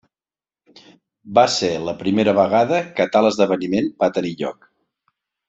Va ser la primera vegada que tal esdeveniment va tenir lloc.